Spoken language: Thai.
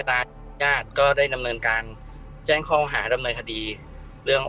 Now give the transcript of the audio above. สุดท้ายก็ไม่มีทางเลือกที่ไม่มีทางเลือก